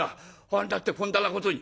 何だってこんだなことに。